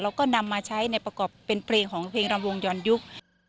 แล้วก็นำมาใช้ในประกอบเป็นเพลงของเพลงรำวงย้อนยุค